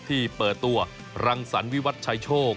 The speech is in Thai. ที่เปิดตัวรังสรรวิวัตรชายโชค